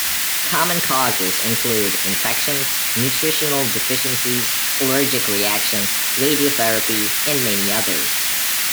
Common causes include infections, nutritional deficiencies, allergic reactions, radiotherapy, and many others.